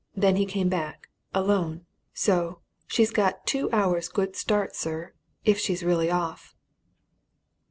Then he came back alone. So she's got two hours' good start, sir if she really is off!"